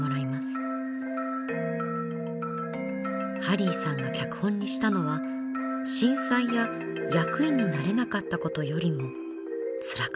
ハリーさんが脚本にしたのは震災や役員になれなかったことよりもつらかったこと。